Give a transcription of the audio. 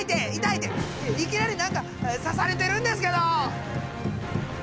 いきなり何か刺されてるんですけど。